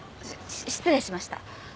し失礼しました。